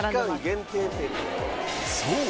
［そう。